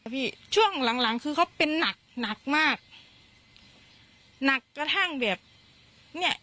พี่ช่วงหลังหลังคือเขาเป็นหนักหนักมากหนักกระทั่งแบบเนี้ย